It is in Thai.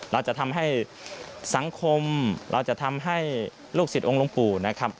เราจะทำให้สังคมเราจะทำให้ลูกศิษย์องค์ปู่นะครับ